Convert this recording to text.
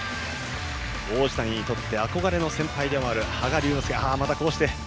王子谷にとって憧れの先輩でもある羽賀龍之介